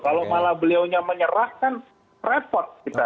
kalau malah beliau menyerahkan report kita